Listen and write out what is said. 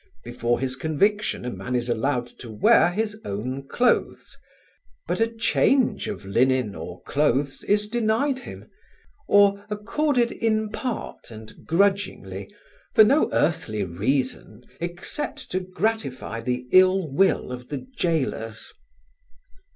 Before his conviction a man is allowed to wear his own clothes; but a change of linen or clothes is denied him, or accorded in part and grudgingly, for no earthly reason except to gratify the ill will of the gaolers.